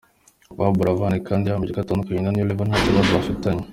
Yvan Buravan kandi yahamije ko atandukanye na New Level nta kibazo bafitanye.